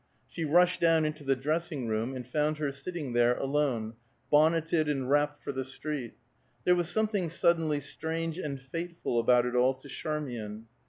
She rushed down into the dressing room, and found her sitting there alone, bonneted and wrapped for the street. There was something suddenly strange and fateful about it all to Charmian.